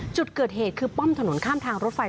จุดเกิดเหตุคือป้อมถนนข้ามทางรถไฟ